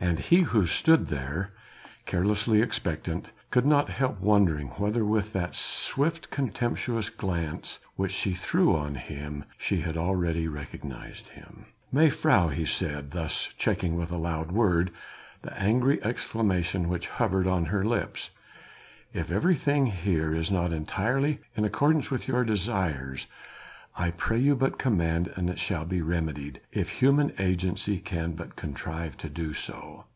And he who stood there carelessly expectant could not help wondering whether with that swift contemptuous glance which she threw on him, she had already recognized him. "Mejuffrouw," he said, thus checking with a loud word the angry exclamation which hovered on her lips, "if everything here is not entirely in accordance with your desires, I pray you but to command and it shall be remedied if human agency can but contrive to do so.